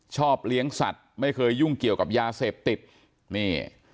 ชอบเลี้ยงสัตว์ไม่เคยยุ่งเกี่ยวกับยาเสพติดนี่